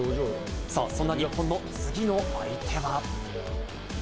そんな日本の次の相手は。